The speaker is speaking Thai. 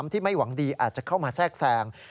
ที่ไม่หวังดีอาจจะเข้ามาแทรกแทรง